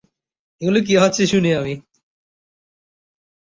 বেশিরভাগ সমুদ্র বাণিজ্য কিংস্টনে চলে গিয়েছিলো।